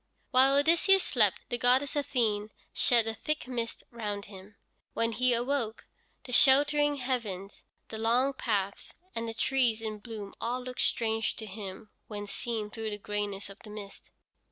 While Odysseus slept the goddess Athene shed a thick mist round him. When he awoke, the sheltering heavens, the long paths, and the trees in bloom all looked strange to him when seen through the grayness of the mist.